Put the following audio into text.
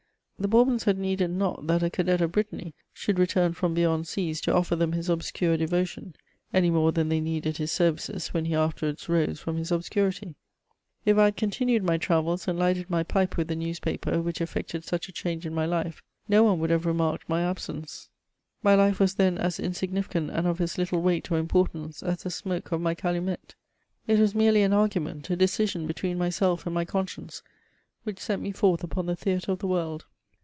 The Bourbons had needed not that a cadet of Brittany should return ^m beyond seas to offer them his obscure devotion, any more than they needed his services when he afterwards rose irom his obscurity. If I had continued my travels, and lighted my pipe with the newspaper which effected such a change in my life, no one would have remarked my ah CHATEAUBRIAND. 295 senoe ; my life was then as insignificant and of as little weight or importance as the smoke of my calumet. It was merely an argu ment) a decision between myself and my conscience, which sent me forth upon the theatre of the world.